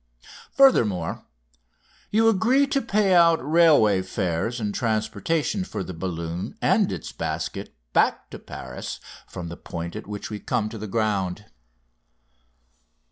Furthermore, you agree to pay out railway fares and transportation for the balloon and its basket back to Paris from the point at which we come to the ground."